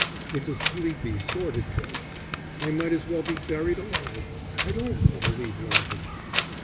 It's a sleepy, sordid place. I might as well be buried alive. I don't want to leave London."